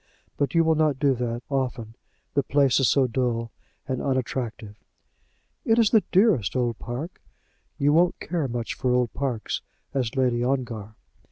But you will not do that often, the place is so dull and unattractive." "It is the dearest old park." "You won't care much for old parks as Lady Ongar."